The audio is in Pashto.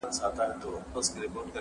برابره یې قسمت کړه پر ده لاره!.